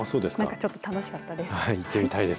ちょっと楽しかったです。